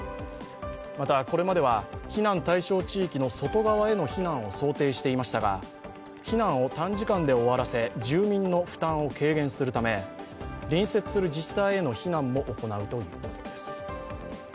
また、これまでは避難対象地域の外側への避難を想定していましたが避難を短時間で終わらせ住民の負担を軽減するため隣接する自治体への避難も行うということです。